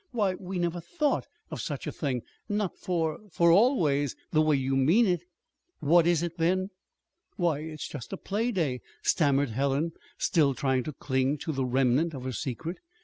Why, we never thought of such a thing; not for for always, the way you mean it." "What is it, then?" "Why, it's just a a playday," stammered Helen, still trying to cling to the remnant of her secret.